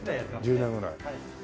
１０年ぐらい。